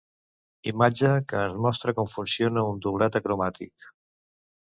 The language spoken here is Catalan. Imatge que ens mostra com funciona un doblet acromàtic.